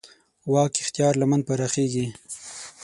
واک اختیار لمن پراخېږي.